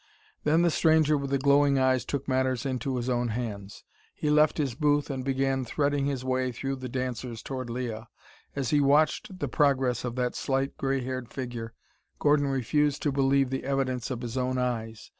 Then the stranger with the glowing eyes took matters into his own hands. He left his booth and began threading his way through the dancers toward Leah. As he watched the progress of that slight gray haired figure Gordon refused to believe the evidence of his own eyes.